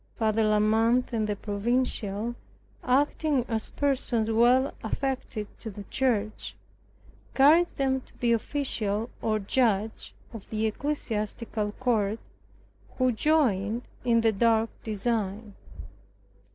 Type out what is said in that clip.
Father La Mothe and the provincial, acting as persons well affected to the church, carried them to the official, or judge of the ecclesiastical court, who joined in the dark design.